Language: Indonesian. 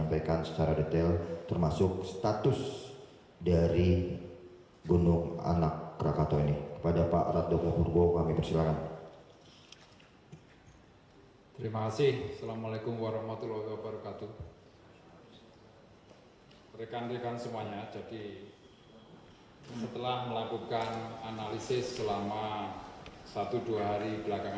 windy cahaya dalam keterangan tertulisnya mengalami kenaikan status dari pengamatan aktivitas vulkanik di pulau sertung